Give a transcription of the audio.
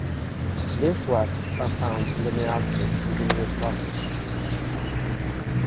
These wasps are found in the Nearctic and the Neotropics.